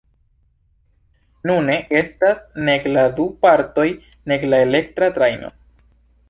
Nune estas nek la du partoj nek la elektra trajno.